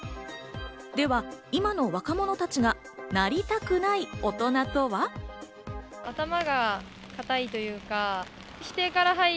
では今の若者たちがなりたくない大人とは？リセッシュータイム